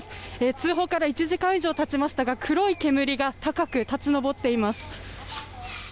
通報から１時間以上たちましたが黒い煙が高く立ち上っています。